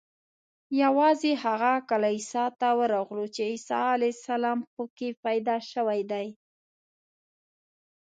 یوازې هغه کلیسا ته ورغلو چې عیسی علیه السلام په کې پیدا شوی دی.